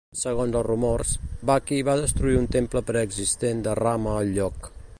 Segons els rumors, Baqi va destruir un temple preexistent de Rama al lloc.